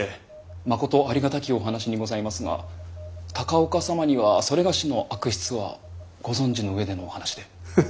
まことありがたきお話にございますが高岳様にはそれがしの悪筆はご存じの上でのお話で。